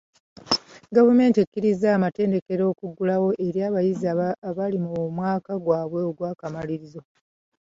Gavumenti ekkirizza amatendekero okuggulawo eri abayizi abali mu mwaka gwabwe ogw'akamalirizo.